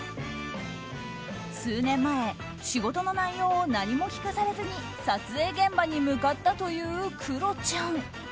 数年前、仕事の内容を何も聞かされずに撮影現場に向かったというクロちゃん。